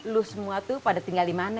lo semua tuh pada tinggal di mana ya